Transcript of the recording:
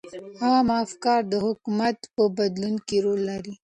عامه افکار د حکومت په بدلون کې رول لري.